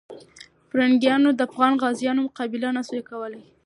پرنګیانو د افغان غازیانو مقابله نسو کولای.